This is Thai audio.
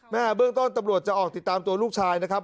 เบื้องต้นตำรวจจะออกติดตามตัวลูกชายนะครับ